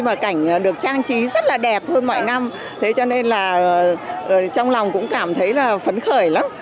và cảnh được trang trí rất là đẹp hơn mọi năm thế cho nên là trong lòng cũng cảm thấy là phấn khởi lắm